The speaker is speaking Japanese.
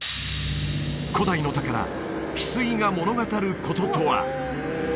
古代の宝翡翠が物語ることとは？